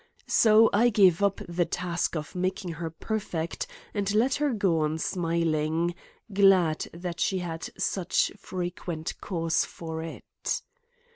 So I gave up the task of making her perfect and let her go on smiling, glad that she had such frequent cause for it.